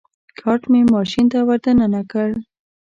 کارټ مې ماشین ته ور دننه کړ.